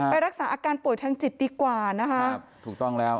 รักษาอาการป่วยทางจิตดีกว่านะคะครับถูกต้องแล้ว